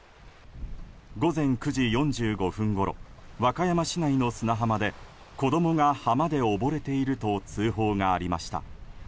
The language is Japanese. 午前９時４５分ごろ和歌山市内の砂浜で子供が浜で溺れていると通報がありました。